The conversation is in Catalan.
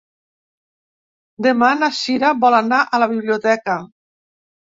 Demà na Cira vol anar a la biblioteca.